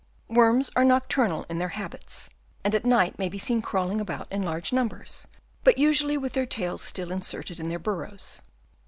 Worms are nocturnal in their habits, and at night may be seen crawling about in large numbers, but usually with their tails still inserted in their burrows.